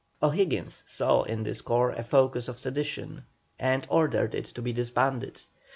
O'Higgins saw in this corps a focus of sedition, and ordered it to be disbanded.